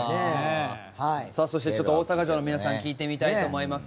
大阪城の皆さん聞いてみたいと思います。